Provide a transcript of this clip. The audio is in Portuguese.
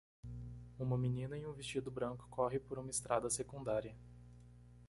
Uma menina em um vestido branco corre por uma estrada secundária.